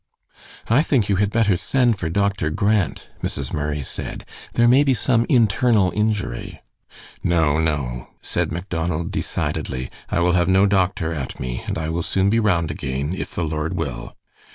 "I think you had better send for Doctor Grant," Mrs. Murray said. "There may be some internal injury." "No, no," said Macdonald, decidedly. "I will have no doctor at me, and I will soon be round again, if the Lord will.